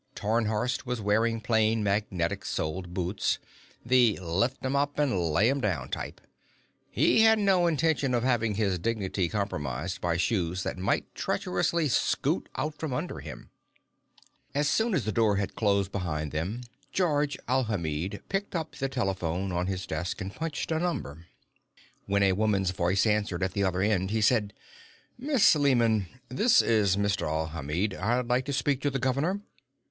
Tarnhorst was wearing plain magnetic soled boots the lift 'em up and lay 'em down type. He had no intention of having his dignity compromised by shoes that might treacherously scoot out from under him. As soon as the door had closed behind them, Georges Alhamid picked up the telephone on his desk and punched a number. When a woman's voice answered at the other end, he said: "Miss Lehman, this is Mr. Alhamid. I'd like to speak to the governor."